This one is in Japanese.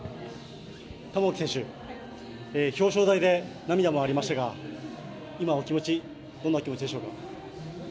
玉置選手、表彰台で涙もありましたが今、どんなお気持ちでしょうか？